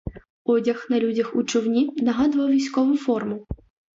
Одяг на людях у човні нагадував військову форму.